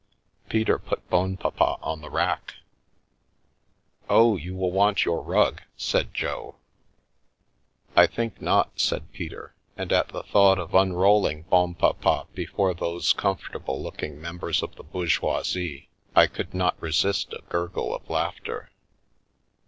Peter put Bonpapa on the rack. " Oh, you will want your rug," said Jo. " I think not," said Peter, and at the thought of un rolling Bonpapa before those comfortable looking mem bers of the bourgoisie, I could not resist a gurgle of laughter.